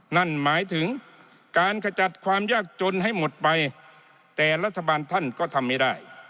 นั่นหมายถึงการขจัดความยากจนให้หมดไปแต่รัฐบาลท่านก็ทำไม่ได้